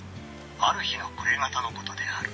「ある日の暮れ方のことである」